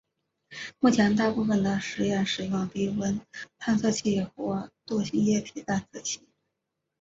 目前大部分的实验使用低温探测器或惰性液体探测器。